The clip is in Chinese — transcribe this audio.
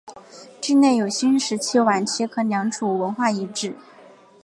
境内有新石器晚期和良渚文化遗址。